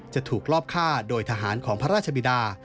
จะถูกลอบฆ่าโดยทหารของพระราชบิดา